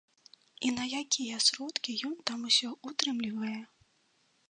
І на якія сродкі ён там усё ўтрымлівае?